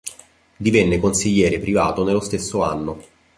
Divenne consigliere privato nello stesso anno.